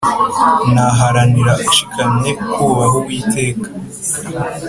naharanira nshikamye kubaha uwiteka